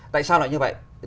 tại sao lại như vậy